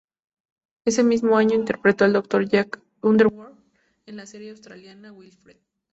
Ese mismo año interpretó al doctor Jack Underwood en la serie australiana Wilfred.